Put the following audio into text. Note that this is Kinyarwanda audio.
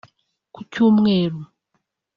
Ku Cyumweru